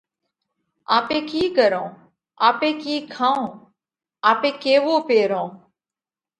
آپي ڪِي ڪرونه؟ آپي ڪِي کائونه؟ آپي ڪيوَو پيرونه؟